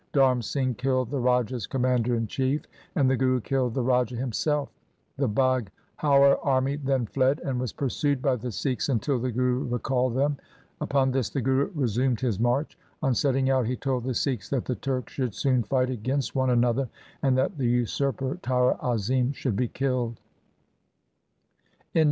Dharm Singh killed the raja's commander in chief, and the Guru killed the raja himself. The Baghaur army then fled, and was pursued by the Sikhs until the Guru recalled them. Upon this the Guru resumed his march. On setting out he told the Sikhs that the Turks should soon fight against one another, and that the usurper, Tara Azim, should be killed.